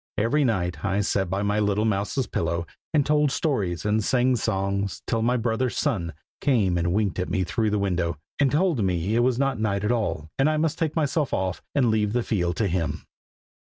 Every night I sat by my little mouse's pillow, and told stories and sang songs, till my brother Sun came and winked at me through the window, and told me it was not night at all, and I must take myself off and leave the field to him.